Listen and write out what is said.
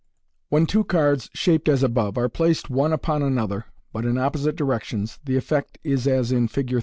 When two cards shaped as above are placed one upon another, but in opposite directions, the effect is as in Fig.